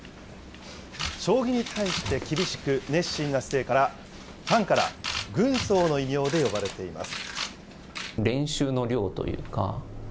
将棋に対して厳しく、熱心な姿勢から、ファンから、軍曹の異名で呼ばれています。